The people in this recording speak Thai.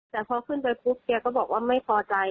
แต่พอขึ้นไปปุ๊บแกก็บอกว่าไม่พอใจ